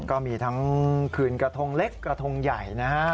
ก็มีทั้งคืนกระทงเล็กกระทงใหญ่นะฮะ